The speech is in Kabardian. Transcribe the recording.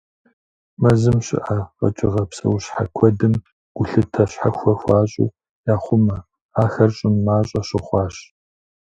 Мэзым щыӀэ къэкӀыгъэ, псэущхьэ куэдым гулъытэ щхьэхуэ хуащӀу яхъумэ: ахэр щӀым мащӀэ щыхъуащ.